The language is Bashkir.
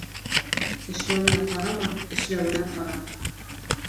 Тешләүенә ҡарама, эшләүенә ҡара.